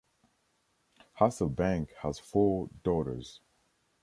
Hasselbaink has four daughters.